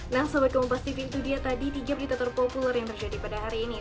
nah sobat kompas tv itu dia tadi tiga berita terpopuler yang terjadi pada hari ini